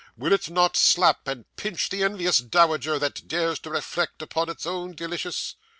'Will it not slap and pinch the envious dowager, that dares to reflect upon its own delicious?